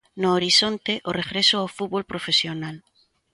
No horizonte, o regreso ao fútbol profesional.